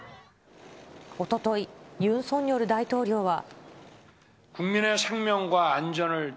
おととい、ユン・ソンニョル大統領は。